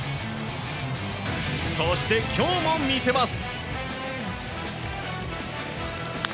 そして今日も見せます。